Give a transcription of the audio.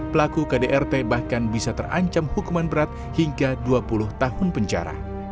pelaku kdrt bahkan bisa terancam hukuman berat hingga dua puluh tahun penjara